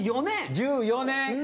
１４年。